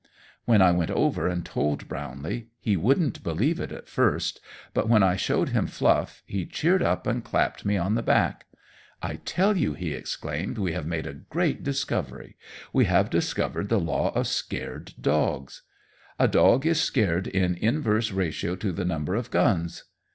When I went over and told Brownlee, he wouldn't believe it at first, but when I showed him Fluff, he cheered up and clapped me on the back. "I tell you," he exclaimed, "we have made a great discovery. We have discovered the law of scared dogs. 'A dog is scared in inverse ratio to the number of guns!'